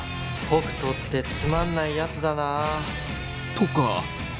北斗ってつまんないやつだな。とか。